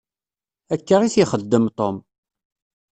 Akka i t-ixeddem Tom.